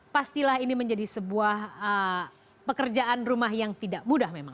pastilah ini menjadi sebuah pekerjaan rumah yang tidak mudah memang